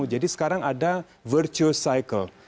jadi sekarang ada virtuous cycle